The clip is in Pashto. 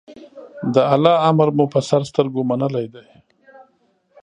د الله امر مو په سر سترګو منلی دی.